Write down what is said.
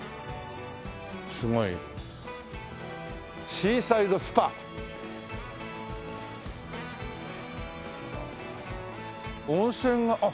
「シーサイド・スパ」温泉があっ！